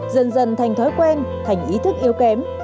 dần dần thành thói quen thành ý thức yếu kém